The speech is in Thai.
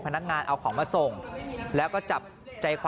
ปากพี่อะ